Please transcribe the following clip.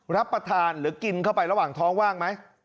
รับประทานหรือกินเข้าไประหว่างท้องว่างไหม